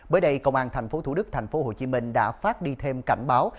mới đây công an tp thủ đức tp hcm đã phát đi thêm cảnh báo